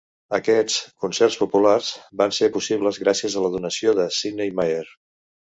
Aquests "concerts populars" van ser possibles gràcies a una donació de Sidney Myer.